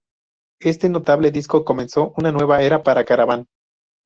Este notable disco comenzó una nueva era para Caravan.